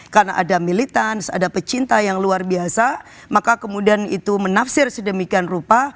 karena ada militans ada pecinta yang luar biasa maka kemudian itu menafsir sedemikian rupa